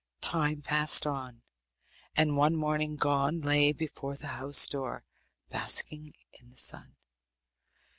Time passed on, and one morning Gon lay before the house door, basking in the sun.